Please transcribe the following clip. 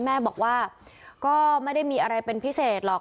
แม่บอกว่าก็ไม่ได้มีอะไรเป็นพิเศษหรอก